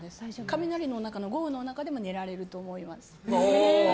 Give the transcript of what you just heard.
雷、豪雨の中でも寝られると思います。